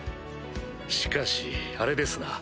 しかしあれですな。